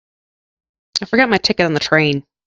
I forgot my ticket on the train.